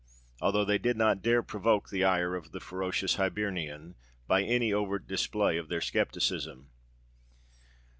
"—although they did not dare provoke the ire of the ferocious Hibernian by any overt display of their scepticism.